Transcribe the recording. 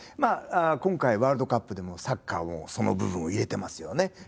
今回ワールドカップでもサッカーもその部分を入れてますよね。